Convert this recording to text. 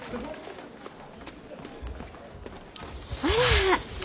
あら。